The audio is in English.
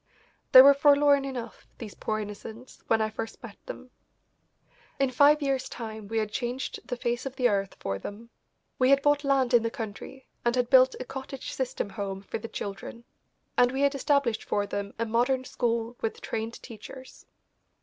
They were forlorn enough, these poor innocents, when I first met them. In five years' time we had changed the face of the earth for them. We had bought land in the country and had built a cottage system home for the children, and we had established for them a modern school with trained teachers.